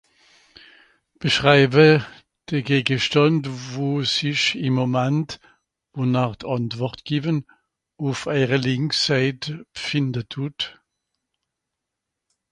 Beschreiwe de Gegestànd, wo sich im Momant (...) ùff èire lìnk Sèit bfinde tut.